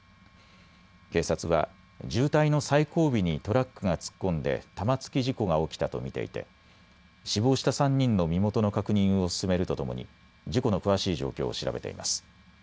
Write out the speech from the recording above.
警察は渋滞の最後尾にトラックが突っ込んで玉突き事故が起きたと見ていて死亡した３人の身元の確認を進めるとともに事故の詳しい状況を調べています。